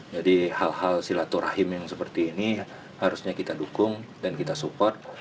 jadi hal hal silaturahim yang seperti ini harusnya kita dukung dan kita sukai